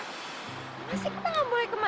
masih kita nggak boleh kemana